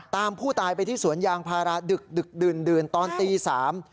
ตามผู้ตายไปที่สวนยางภาระดึกดื่นตอนตี๓บาท